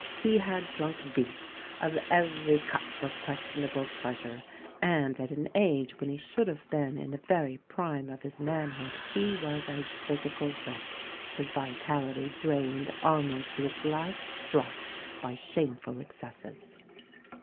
He had drunk deep of every cup of questionable pleasure; and at an age when he should have been in the very prime of his manhood, he was a physical wreck, his vitality drained almost to its last drop by shameful excesses.